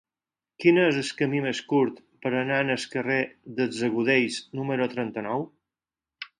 Quin és el camí més curt per anar al carrer dels Agudells número trenta-nou?